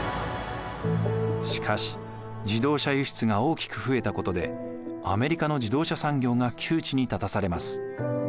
しかし自動車輸出が大きく増えたことでアメリカの自動車産業が窮地に立たされます。